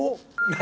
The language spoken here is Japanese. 何？